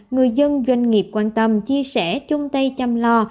người dân doanh nghiệp quan tâm chia sẻ chung tay chăm lo